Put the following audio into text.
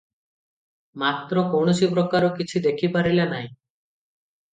ମାତ୍ର କୌଣସି ପ୍ରକାର କିଛି ଦେଖିପାରିଲା ନାହିଁ ।